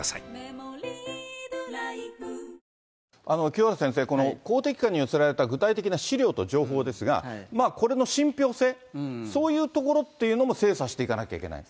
清原先生、この公的機関に寄せられた具体的な資料と情報ですが、これの信ぴょう性、そういうところっていうのも精査していかなきゃいけない。